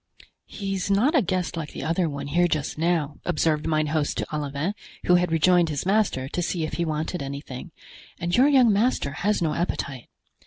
"He's not a guest like the other one here just now," observed mine host to Olivain, who had rejoined his master to see if he wanted anything, "and your young master has no appetite."